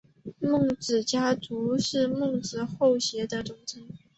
孟子家族是孟子后裔的总称。